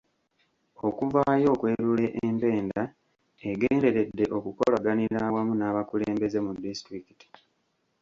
Okuvaayo okwerula empenda egenderedde okukolaganira awamu n’abakulembeze mu disitulikiti.